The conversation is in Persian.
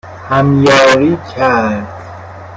همیاری کرد